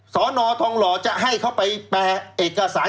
สอนอทองหล่อจะให้เขาไปแปลเอกสาร